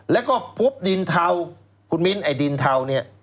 แล้วก็พบดินเทาคุณมิ้นไอ้ดินเทาเนี่ย